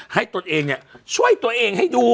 ให้ตัวเองเนี่ยช่วยตัวเองให้ดู